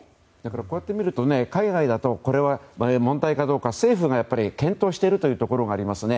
こうやって見ると海外でも、問題かどうか政府が検討しているところがありますよね。